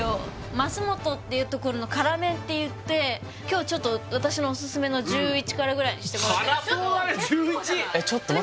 桝元っていう所の辛麺っていって今日ちょっと私のオススメの１１辛ぐらいにしてもらって辛そうだね１１！？